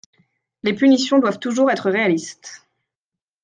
Les punitions doivent toujours être réalistes.